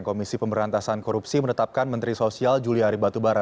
komisi pemberantasan korupsi menetapkan menteri sosial juliari batubara